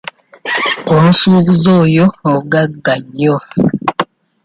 Omusuubuzi oyo mugagga nnyo.